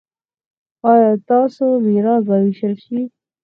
ایا ستاسو میراث به ویشل شي؟